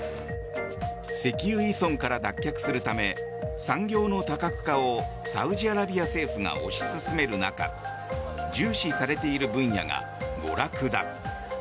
石油依存から脱却するため産業の多角化をサウジアラビア政府が推し進める中重視されている分野が娯楽だ。